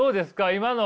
今の。